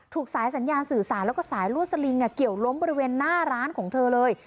สายสัญญาณสื่อสารแล้วก็สายลวดสลิงเกี่ยวล้มบริเวณหน้าร้านของเธอเลย